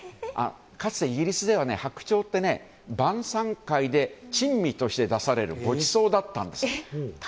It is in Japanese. かつてイギリスでは白鳥って晩さん会で珍味として出されるごちそうだったんです。